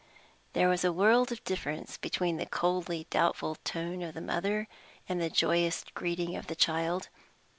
There was a world of difference between the coldly doubtful tone of the mother and the joyous greeting of the child.